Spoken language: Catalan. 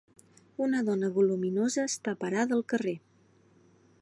una dona voluminosa està parada al carrer